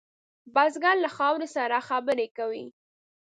بزګر له خاورې سره خبرې کوي